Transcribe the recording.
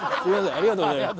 ありがとうございます。